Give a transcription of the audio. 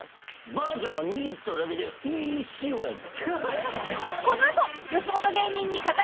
ばあちゃんが握っただけでいい塩やねん。